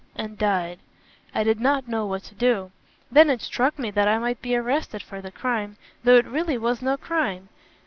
and died. I did not know what to do. Then it struck me that I might be arrested for the crime, though it really was no crime.